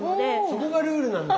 そこがルールなんだ。